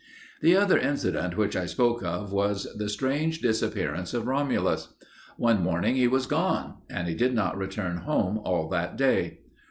The other incident which I spoke of was the strange disappearance of Romulus. One morning he was gone and he did not return home all that day.